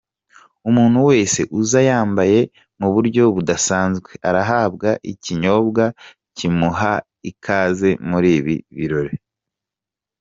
Umuntu wese uza yambaye mu buryo budasanzwe, arahabwa ikinyobwa kimuha ikaze muri ibi birori.